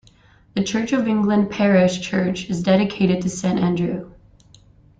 The Church of England parish church is dedicated to Saint Andrew.